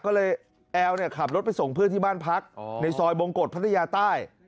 ก็เลยแอลขับรถไปส่งเพื่อนที่บ้านพักในซอยบงกฎพัทยาใต้